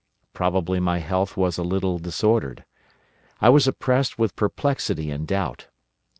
Probably my health was a little disordered. I was oppressed with perplexity and doubt.